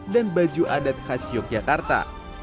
dan baju adat khas yogyakarta